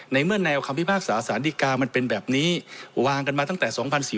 ในเมื่อแนวคำพิพากษาสารดีกามันเป็นแบบนี้วางกันมาตั้งแต่๒๔๔